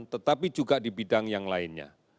tetapi juga di bidang yang lainnya